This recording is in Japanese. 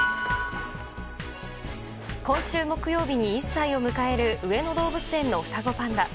今週木曜日に１歳を迎える上野動物園の双子パンダ。